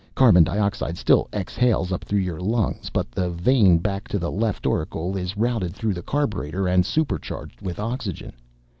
Carbon dioxide still exhales up through your lungs, but the vein back to the left auricle is routed through the carburetor and supercharged with oxygen.